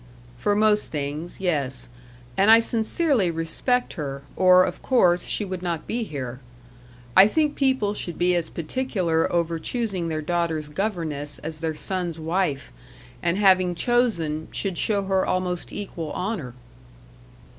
"For most things, yes. And I sincerely respect her, or, of course, she would not be here. I think people should be as particular over choosing their daughter's governess as their son's wife; and having chosen, should show her almost equal honour."